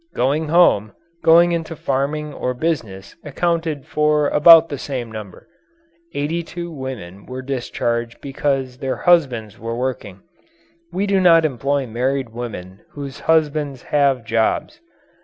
Going home, going into farming or business accounted for about the same number. Eighty two women were discharged because their husbands were working we do not employ married women whose husbands have jobs.